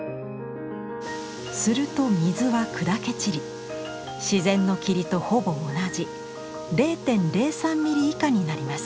すると水は砕け散り自然の霧とほぼ同じ０．０３ｍｍ以下になります。